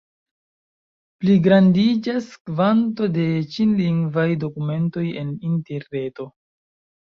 Pligrandiĝas kvanto de ĉinlingvaj dokumentoj en Interreto.